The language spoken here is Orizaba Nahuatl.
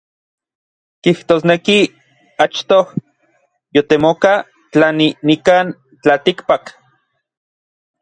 Kijtosneki achtoj yotemoka tlani nikan tlaltikpak.